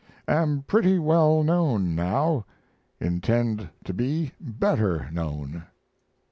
Am pretty well known now intend to be better known.